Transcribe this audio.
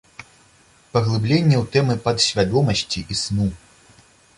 Паглыбленне ў тэмы падсвядомасці і сну.